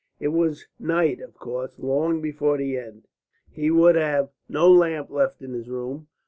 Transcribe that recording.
It was night, of course, long before the end. He would have no lamp left in his room.